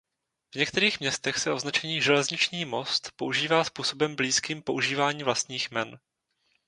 V některých městech se označení „železniční most“ používá způsobem blízkým používání vlastních jmen.